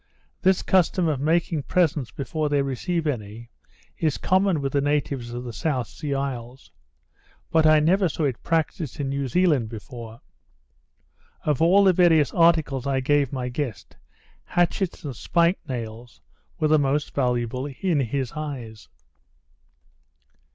This custom of making presents before they receive any, is common with the natives of the South Sea isles; but I never saw it practised in New Zealand before. Of all the various articles I gave my guest, hatchets and spike nails were the most valuable in his eyes.